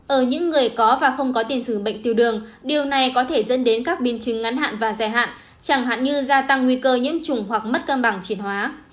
ở những người có và không có tiền sử bệnh tiêu đường điều này có thể dẫn đến các biến chứng ngắn hạn và dài hạn chẳng hạn như gia tăng nguy cơ nhiễm trùng hoặc mất cân bằng triển hóa